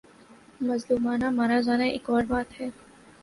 مظلومانہ مارا جانا ایک اور بات ہے۔